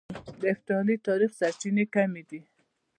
د هېپتالي تاريخ سرچينې کمې دي